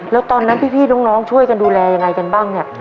แล้วตอนนั้นพี่น้องช่วยกันดูแลยังไงกันบ้างเนี่ย